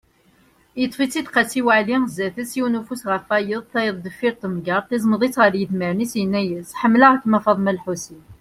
Yeṭṭef-itt-id Qasi waɛli zdat-s, yiwen ufus ɣef wayet, tayeḍ deffir n temgerḍt, iẓmeḍ-itt-id ar yidmaren-is, yenna-yas: Ḥemmleɣ-kem a Faḍma lḥusin.